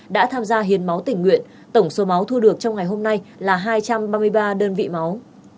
đã tham gia hiến máu tình nguyện tổng số máu thu được trong ngày hôm nay là hai trăm ba mươi ba đơn vị máu